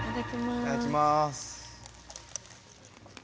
いただきます。